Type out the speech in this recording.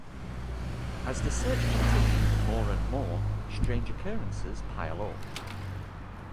As the search continues more and more strange occurrences pile up.